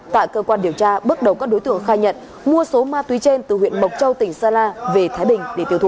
tại cơ quan điều tra bước đầu các đối tượng khai nhận mua số ma túy trên từ huyện mộc châu tỉnh sơn la về thái bình để tiêu thụ